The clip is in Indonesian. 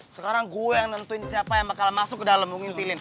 sekarang gue yang nentuin siapa yang bakal masuk ke dalam mungin tilin